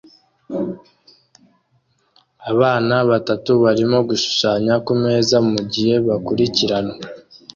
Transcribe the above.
Abana batatu barimo gushushanya kumeza mugihe bakurikiranwa